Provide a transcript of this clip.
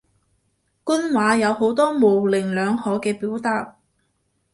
官話有好多模棱兩可嘅表達